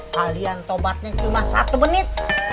kalian tobatnya cuma satu menit